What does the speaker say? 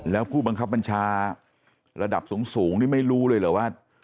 แล้วผู้บังคับบัญชาระดับสูงนี่ไม่รู้เลยเหรอว่า